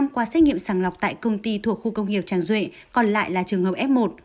năm qua xét nghiệm sàng lọc tại công ty thuộc khu công nghiệp tràng duệ còn lại là trường hợp f một